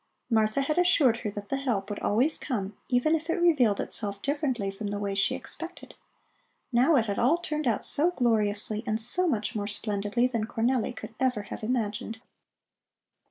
Martha had assured her that the help would always come, even if it revealed itself differently from the way she expected. Now it had all turned out so gloriously, and so much more splendidly than Cornelli could ever have imagined!